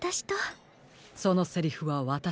そのセリフはわたしから。